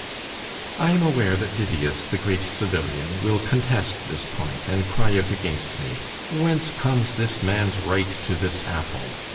I am aware that Didius, the great civilian, will contest this point; and cry out against me, Whence comes this man's right to this apple?